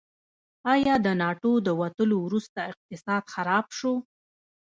آیا د ناټو د وتلو وروسته اقتصاد خراب شو؟